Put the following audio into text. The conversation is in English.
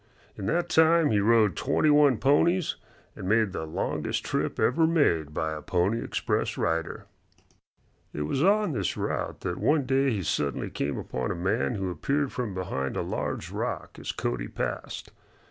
In that time he rode twenty one ponies and made the longest trip ever made by a Pony Express rider. It was while on this route that one day he suddenly came upon a man who appeared from behind a large rock as Cody passed.